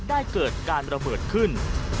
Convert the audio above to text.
เกิดการระเบิดขึ้น